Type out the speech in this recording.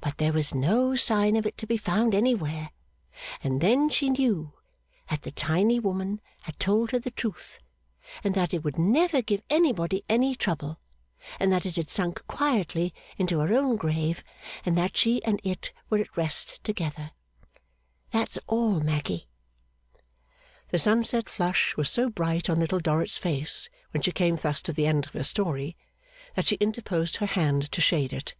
But there was no sign of it to be found anywhere; and then she knew that the tiny woman had told her the truth, and that it would never give anybody any trouble, and that it had sunk quietly into her own grave, and that she and it were at rest together. 'That's all, Maggy.' The sunset flush was so bright on Little Dorrit's face when she came thus to the end of her story, that she interposed her hand to shade it.